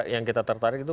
yang kita tertarik itu